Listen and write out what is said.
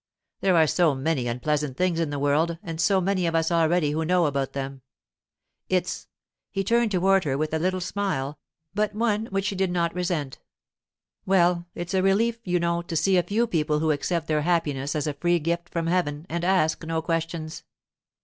There are so many unpleasant things in the world, and so many of us already who know about them. It's—' he turned toward her with a little smile, but one which she did not resent—'well, it's a relief, you know, to see a few people who accept their happiness as a free gift from heaven and ask no questions.